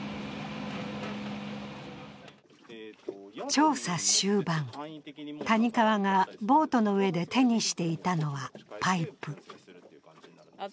調査終盤、谷川がボートの上で手にしていたのはパイプ。